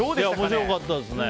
面白かったですね。